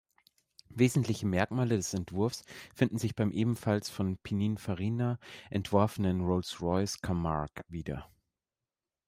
Wesentliche Merkmale des Entwurfs finden sich beim ebenfalls von Pininfarina entworfenen Rolls-Royce Camargue wieder.